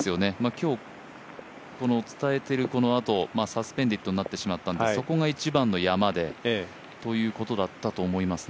今日この伝えてるこのあとサスペンデッドになってしまったんですがそこが一番の山だったということだと思いますね。